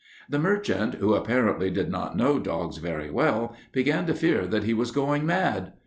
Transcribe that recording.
"The merchant, who apparently did not know dogs very well, began to fear that he was going mad.